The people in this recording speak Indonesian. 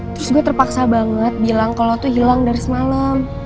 terus gue terpaksa banget bilang ke lo tuh hilang dari semalam